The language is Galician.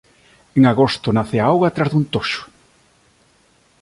En agosto nace a auga tras de un toxo